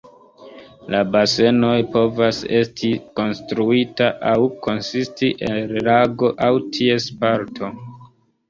La basenoj povas esti konstruita aŭ konsisti el lago aŭ ties parto.